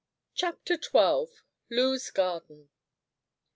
CHAPTER TWELVE. LOO'S GARDEN.